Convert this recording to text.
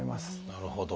なるほど。